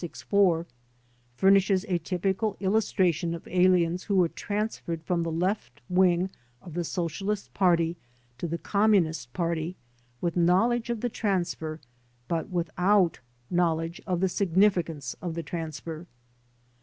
54859/464) furnishes a typical illustration of aliens who were trans ferred from the Left Wing of the Socialist Party to the CONNECTED WITH PROSCRIBED ORGANIZATIONS 59 Communist Party with knowledge of the transfer but without knowledge of the significance of the transfer.